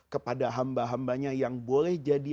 kepada hamba hambanya yang boleh jadi